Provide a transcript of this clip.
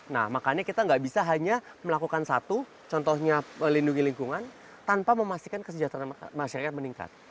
nah makanya kita nggak bisa hanya melakukan satu contohnya melindungi lingkungan tanpa memastikan kesejahteraan masyarakat meningkat